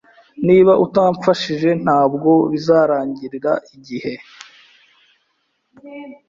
Niba utamfashije, ntabwo bizarangirira igihe.